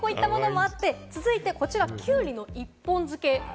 続いて、こちら、きゅうりの一本漬け。